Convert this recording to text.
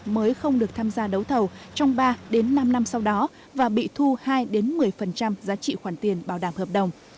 mới không được tham gia đấu thầu trong ba năm năm sau đó và bị thu hai một mươi giá trị khoản tiền bảo đảm hợp đồng